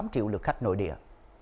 ba mươi tám triệu lượt khách nội địa